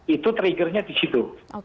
itu triggernya di situ